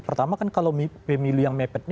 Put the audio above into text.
pertama kan kalau pemilu yang mepet ini